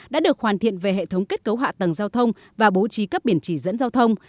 đã được hoàn thiện về hệ thống kết cấu hạ tầng giao thông và bố trí cấp biển chỉ dẫn giao thông